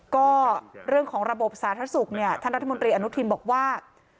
ก็เรื่องของระบบสาธารณสุขเนี่ยท่านรัฐมนตรีอนุทินบอกว่า